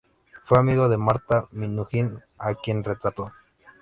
Fue amigo de Marta Minujín, a quien retrató.